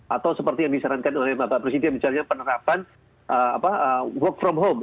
atau seperti yang disarankan oleh bapak presiden misalnya penerapan work from home